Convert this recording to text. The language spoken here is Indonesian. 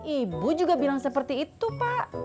ibu juga bilang seperti itu pak